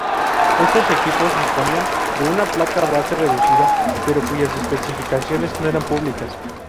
Estos equipos disponían de una placa base reducida, pero cuyas especificaciones no eran públicas.